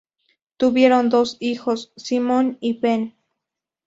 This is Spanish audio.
Tuvieron dos hijos, Simon y Ben.